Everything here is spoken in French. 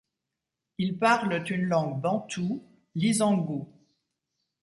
Ils parlent une langue bantoue, l'isangu.